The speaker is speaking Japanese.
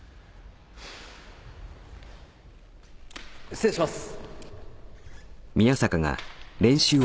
・失礼します。